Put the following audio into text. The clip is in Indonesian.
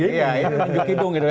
iya itu nunjuk hidung gitu kan